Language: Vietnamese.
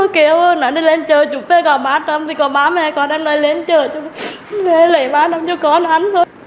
kéo nó đi lên chờ chụp phê có bá trong thì có bá mẹ con em lại lên chờ chụp phê lấy bá trong cho con hắn thôi